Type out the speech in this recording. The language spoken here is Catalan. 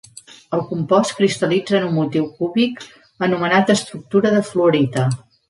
El compost cristal·litza en un motiu cúbic anomenat estructura de fluorita.